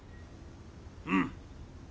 うん。